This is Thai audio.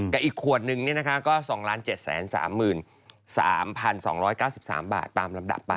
อีกขวดนึงก็๒๗๓๓๒๙๓บาทตามลำดับไป